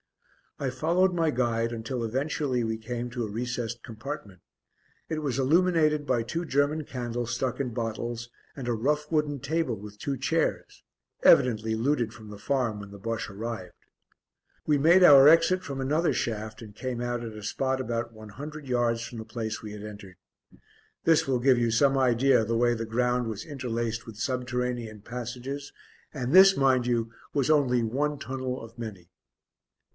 I followed my guide until eventually we came to a recessed compartment; it was illuminated by two German candles stuck in bottles, and a rough wooden table with two chairs, evidently looted from the farm when the Bosche arrived. We made our exit from another shaft and came out at a spot about one hundred yards from the place we had entered. This will give you some idea of the way the ground was interlaced with subterranean passages, and this, mind you, was only one tunnel of many.